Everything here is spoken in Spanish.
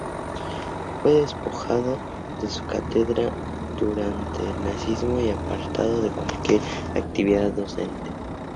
Fue despojado de su cátedra durante el nazismo y apartado de cualquier actividad docente.